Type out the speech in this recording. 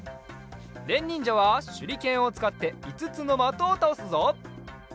れんにんじゃはしゅりけんをつかっていつつのまとをたおすぞ。